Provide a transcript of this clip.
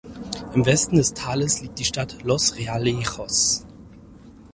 Im Westen des Tales liegt die Stadt Los Realejos.